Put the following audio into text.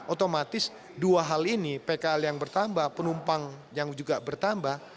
otomatis dua hal ini pkl yang bertambah penumpang yang juga bertambah